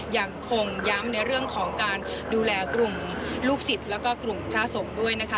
ยังคงย้ำในเรื่องของการดูแลกลุ่มลูกศิษย์แล้วก็กลุ่มพระสงฆ์ด้วยนะคะ